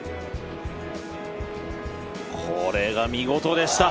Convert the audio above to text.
これが見事でした。